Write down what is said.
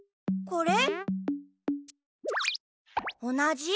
これ？